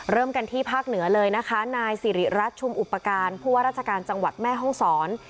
เริ่มกันที่ภาคเหนือเลยนะคะนายสิริรัตนชุมอุปการณ์ผู้ว่าราชการจังหวัดแม่ห้องศร